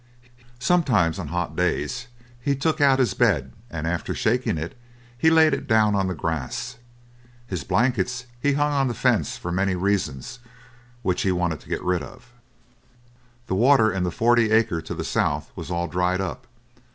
Sometimes on hot days he took out his bed, and after shaking it, he laid it down on the grass; his blankets he hung on the fence for many reasons which he wanted to get rid of. The water in the forty acre to the south was all dried up.